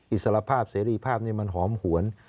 อิสรภาพเสรีภาพนี้มันหอมหวน